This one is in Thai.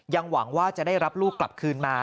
หวังว่าจะได้รับลูกกลับคืนมา